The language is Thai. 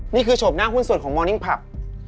นี่คือโฉบหน้าหุ้นส่วนของมอร์นิ่งพลับ